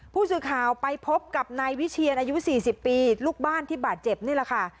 ผู้สื่อข่าวไปพบกับนายวิเชียนอายุ๔๐ปีลูกบ้านที่บาดเจ็บนี่แหละค่ะ